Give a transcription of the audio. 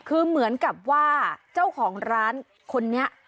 คือเหมือนกับว่าเจ้าของร้านคนนี้